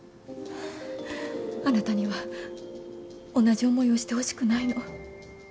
あなたには同じ思いをしてほしくないの。